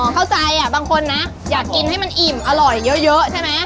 เข้าใจบางคนนะอยากกินให้มันอิ่มอร่อยเยอะใช่ไหม